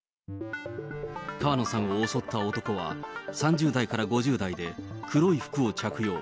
川野さんを襲った男は３０代から５０代で、黒い服を着用。